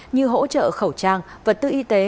như hỗ trợ khẩu trang vật tư y tế